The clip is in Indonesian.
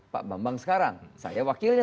pak bambang sekarang saya wakilnya